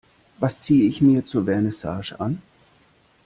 Was ziehe ich mir zur Vernissage an?